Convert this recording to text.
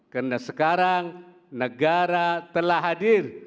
karena sekarang negara telah hadir